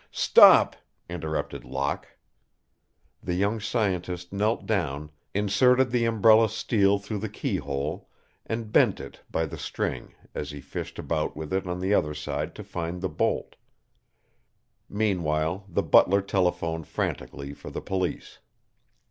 "Stop!" interrupted Locke. The young scientist knelt down, inserted the umbrella steel through the keyhole, and bent it by the string as he fished about with it on the other side to find the bolt. Meanwhile the butler telephoned frantically for the police.